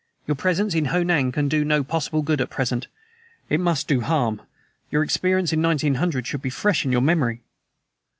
Your presence in Ho Nan can do no possible good at present. It must do harm. Your experience in 1900 should be fresh in your memory."